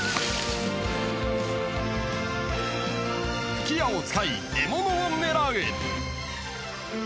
［吹き矢を使い獲物を狙う］